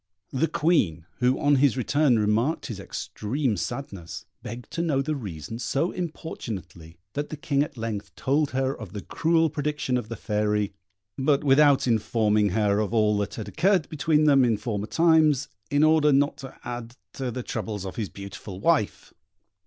The Queen, who on his return remarked his extreme sadness, begged to know the reason so importunately, that the King at length told her of the cruel prediction of the Fairy, but without informing her of all that had occurred between them in former times, in order not to add to the troubles of his beautiful wife.